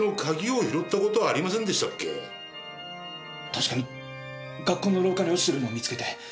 確かに学校の廊下に落ちているのを見つけて。